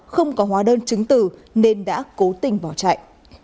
không có hóa đơn chứng từ nên đã cố tình bỏ chạy